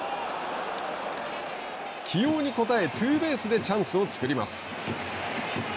起用に応えツーベースでチャンスを作ります。